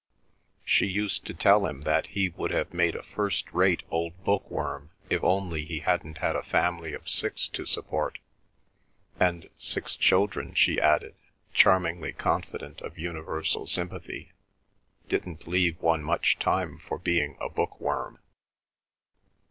She used to tell him that he would have made a first rate old bookworm if only he hadn't had a family of six to support, and six children, she added, charmingly confident of universal sympathy, didn't leave one much time for being a bookworm.